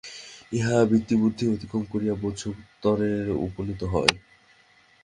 ইহা বুদ্ধিবৃত্তিকে অতিক্রম করিয়া বোধির স্তরে উপনীত হয়।